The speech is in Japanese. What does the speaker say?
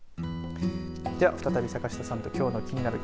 では、再び坂下さんときょうのキニナル！